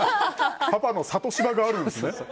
パパの諭し場があるんですね。